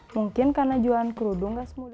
mungkin karena jualan kerudung gak semudah